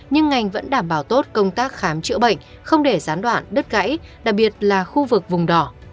nhưng ngành vẫn đảm bảo tốt công tác khám chữa bệnh không để gián đoạn đứt gãy đặc biệt là khu vực vùng đỏ